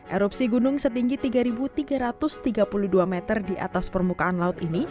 erupsi gunung setinggi tiga tiga ratus tiga puluh dua meter di atas permukaan laut ini